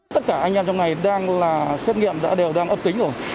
tất cả anh em trong này đang là xét nghiệm đã đều đang âm tính rồi